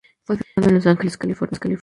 Fue filmado en Los Ángeles, California.